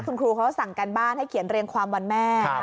คุณครูเขาก็สั่งการบ้านให้เขียนเรียงความวันแม่